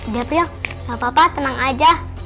udah prih gak apa apa tenang aja